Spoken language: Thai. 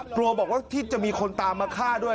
กลัวบอกว่าที่จะมีคนตามมาฆ่าด้วย